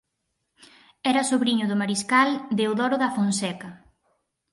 Era sobriño do mariscal Deodoro da Fonseca.